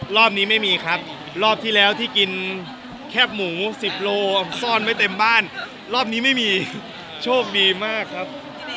รอบนี้ไม่มีครับรอบที่แล้วที่กินแคบหมู๑๐โลซ่อนไว้เต็มบ้านรอบนี้ไม่มีโชคดีมากครับ